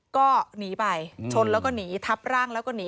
ก็หนีไปชนแล้วก็หนีทับร่างแล้วก็หนี